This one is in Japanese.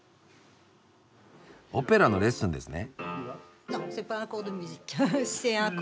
オペラのレッスンですね？